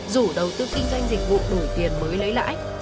rủ đầu tư kinh doanh dịch vụ đổi tiền mới lấy lãi